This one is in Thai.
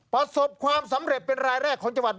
ประสบความสำเร็จเป็นรายแรกของจังหวัด